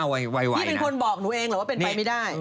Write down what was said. พี่เป็นคนบอกหนูเองเหรอว่าเป็นไปไม่ได้